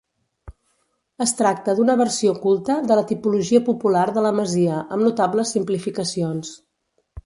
Es tracta d'una versió culta de la tipologia popular de la masia, amb notables simplificacions.